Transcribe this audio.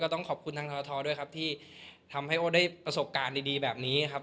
ต้องขอบคุณทางทรทด้วยครับที่ทำให้โอ้ได้ประสบการณ์ดีแบบนี้ครับ